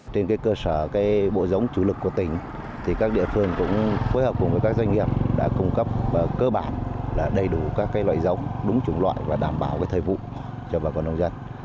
trên cơ sở bộ giống chủ lực của tỉnh các địa phương cũng phối hợp cùng với các doanh nghiệp đã cung cấp cơ bản đầy đủ các loại giống đúng chủng loại và đảm bảo thời vụ cho bà con nông dân